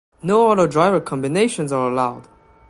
No other driver combinations are allowed.